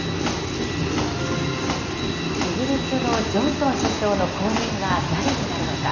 イギリスのジョンソン首相の後任は誰になるのか。